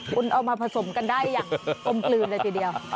คุณเอามาผสมกันได้อย่างกลมกลืนเลยทีเดียว